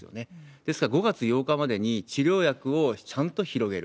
ですから、５月８日までに治療薬をちゃんと広げる。